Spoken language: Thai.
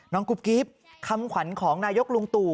กุ๊บกิ๊บคำขวัญของนายกลุงตู่